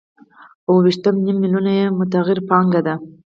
او اوه ویشت نیم میلیونه یې متغیره پانګه ده